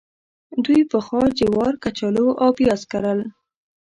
دوی پخوا جوار، کچالو او پیاز کرل.